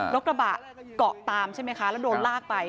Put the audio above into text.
กระบะเกาะตามใช่ไหมคะแล้วโดนลากไป